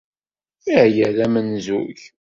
Aya d amenzug!